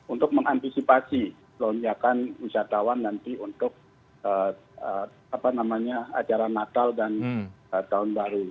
untuk mengantisipasi lonjakan wisatawan nanti untuk acara natal dan tahun baru